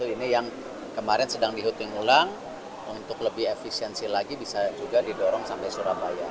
ini yang kemarin sedang dihooting ulang untuk lebih efisiensi lagi bisa juga didorong sampai surabaya